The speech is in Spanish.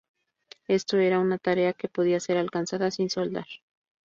Esto era una tarea que podía ser alcanzada sin soldar.